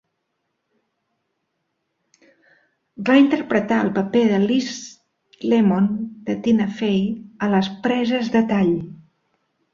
Va interpretar el paper de Liz Lemon de Tina Fey a les preses de tall.